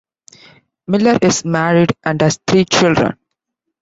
Miller is married and has three children.